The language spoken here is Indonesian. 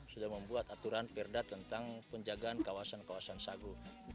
sudah membuat aturan perda tentang penjagaan kawasan kawasan sagu